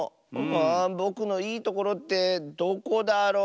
あぼくのいいところってどこだろ？